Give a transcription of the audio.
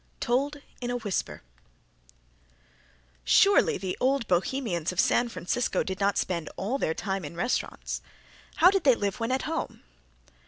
Told in a Whisper "Surely the old Bohemians of San Francisco did not spend all their time in restaurants. How did they live when at home?"